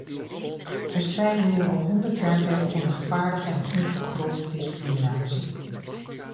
Wij strijden nu al honderd jaar tegen onrechtvaardige en ongegronde discriminatie.